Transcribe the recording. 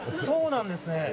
そうなんですね。